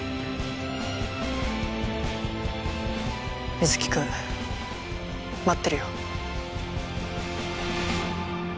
水城君待ってるよ。